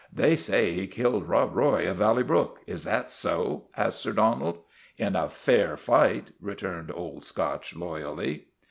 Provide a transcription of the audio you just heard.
: They say he killed Rob Roy of Valley Brook is that so? " asked Sir Donald. ' In a fair fight," returned Old Scotch loyally.